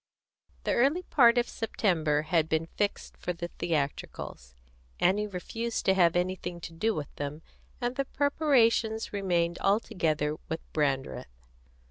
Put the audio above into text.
The early part of September had been fixed for the theatricals. Annie refused to have anything to do with them, and the preparations remained altogether with Brandreth.